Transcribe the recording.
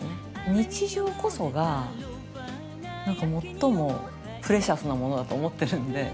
日常こそがなんか最も「Ｐｒｅｃｉｏｕｓ」なものだと思ってるんで。